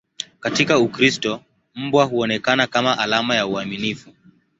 Katika Ukristo, mbwa huonekana kama alama ya uaminifu.